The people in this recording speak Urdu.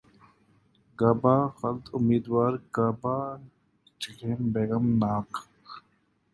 گاہ بہ خلد امیدوار‘ گہہ بہ جحیم بیم ناک